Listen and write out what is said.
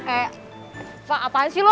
eh pak apaan sih lo